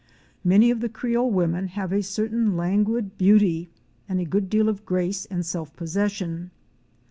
Many of the creole women have a certain languid beauty and a good deal of grace and self possession.